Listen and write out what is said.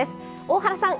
大原さん